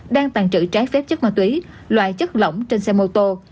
đang tàn trữ trái phép chất ma túy loại chất lỏng trên xe mô tô